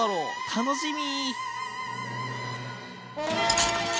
楽しみ！